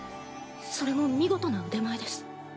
それも見事な腕前です。